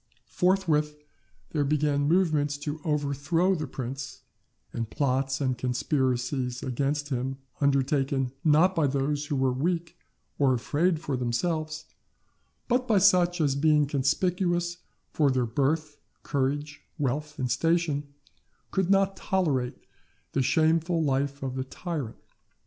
Forthwith there began movements to overthrow the prince, and plots and conspiracies against him undertaken not by those who were weak, or afraid for themselves, but by such as being conspicuous for their birth, courage, wealth, and station, could not tolerate the shameful life of the tyrant.